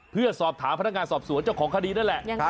เพื่อสอบถามพนักงานสอบสวนเจ้าของคดีนั่นแหละ